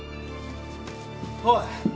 おい！